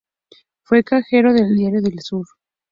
Fue cajero del "diario El Sur".